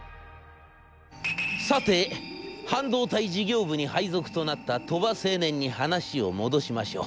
「さて半導体事業部に配属となった鳥羽青年に話を戻しましょう。